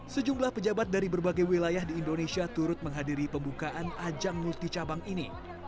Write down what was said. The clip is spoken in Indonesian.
sejumlah pejabat dari berbagai wilayah di indonesia turut menghadiri pembukaan ajang multi cabang ini